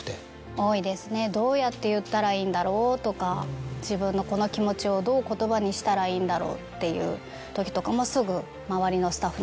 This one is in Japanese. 多いですねどうやって言ったらいいんだろう？とか自分のこの気持ちをどう言葉にしたらいいんだろう？っていうときとかもすぐ。